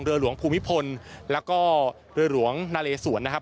หลวงภูมิพลแล้วก็เรือหลวงนาเลสวนนะครับ